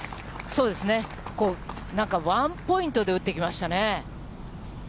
そうですね、ここ、なんかワンポイントで打ってきましたね。